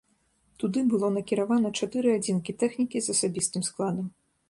Туды было накіравана чатыры адзінкі тэхнікі з асабістым складам.